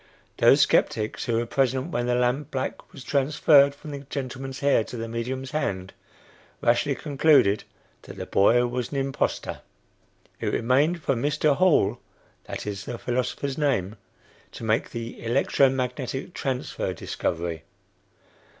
Those skeptics who were present when the lamp black was "transferred" from the gentleman's hair to the medium's hand, rashly concluded that the boy was an impostor. It remained for Mr. Hall that is the philosopher's name to make the "electro magnetic transfer" discovery.